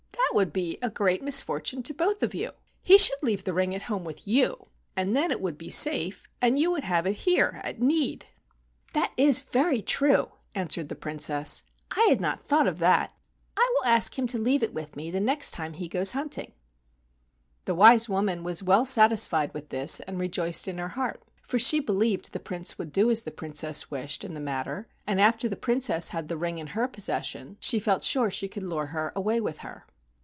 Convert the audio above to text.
That would be a great misfortune to both of you. He should leave the ring at home with you, and then it would be safe, and you would have it here at need." 48 AN EAST INDIAN STORY "That is very true, ,, answered the Princess. "I had not thought of that. I will ask him to leave it with me the next time he goes' hunting." The wise woman was well satisfied with this and rejoiced in her heart, for she believed the Prince would do as the Princess wished in the matter, and after the Princess had the ring in her possession she felt sure she could lure her away with her.